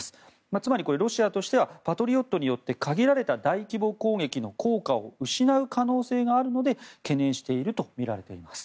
つまり、ロシアとしてはパトリオットによって限られた大規模攻撃の効果を失う可能性があるので懸念しているとみられています。